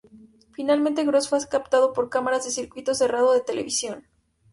Finalmente, Gosse fue captado por cámaras de circuito cerrado de televisión.